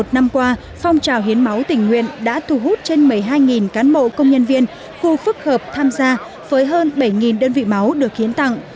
một năm qua phong trào hiến máu tình nguyện đã thu hút trên một mươi hai cán bộ công nhân viên khu phức hợp tham gia với hơn bảy đơn vị máu được hiến tặng